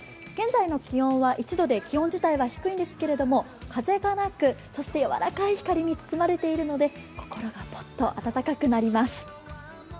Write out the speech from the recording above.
現在の気温は１度で気温自体は低いんですけど、風がなく、やわらかい光に包まれているので心がポッと暖かくなります。